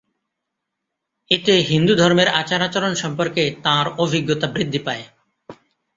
এতে হিন্দুধর্মের আচার-আচরণ সম্পর্কে তাঁর অভিজ্ঞতা বৃদ্ধি পায়।